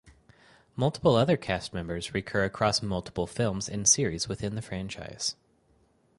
Multiple other cast members recur across multiple films and series within the franchise.